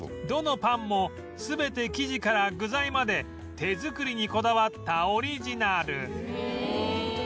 どのパンも全て生地から具材まで手作りにこだわったオリジナル